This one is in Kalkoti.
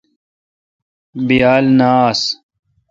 بیال نہ آس۔